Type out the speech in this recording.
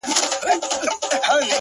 o پرېږده دا زخم زړه ـ پاچا وویني؛